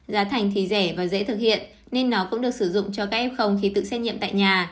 giá thành thì rẻ và dễ thực hiện nên nó cũng được sử dụng cho các f khi tự xét nghiệm tại nhà